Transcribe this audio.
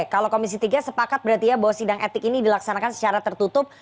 kalau komisi tiga sepakat berarti ya bahwa sidang etik ini dilaksanakan secara tertutup